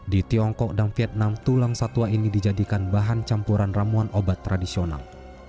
di tiongkok dan vietnam tulang satwa ini dijadikan bahan campuran ramuan obat tradisional